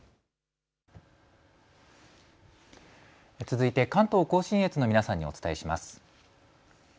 続いて関東甲信越の皆さんにお伝えします。